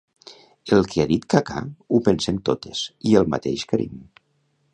El que ha dit Kaká ho pensem totes i el mateix Karim.